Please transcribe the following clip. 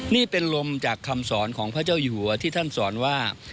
นี่เป็นลมจากคำสอนของพระเจ้าอยู่หัวที่ท่านสอนว่า